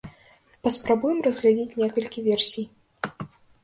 Паспрабуем разглядзець некалькі версій.